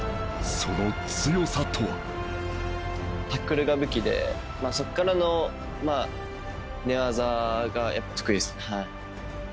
その強さとはタックルが武器でそっからの寝技が得意ですね